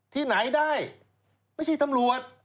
ที่ไหนได้ไม่ใช่ตำรวจ